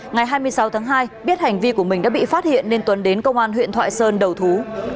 ngày hai mươi sáu tháng hai biết hành vi của mình đã bị phát hiện nên tuấn đến công an huyện thoại sơn đầu thú